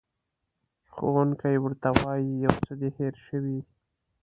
ښوونکی ورته وایي، یو څه دې هېر شوي.